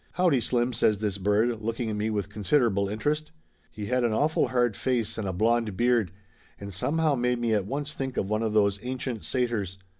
"Howdy, Slim !" says this bird, looking at me with considerable interest. He had an awful hard face and a blond beard, and somehow made me at once think of one of those an cient satyrs.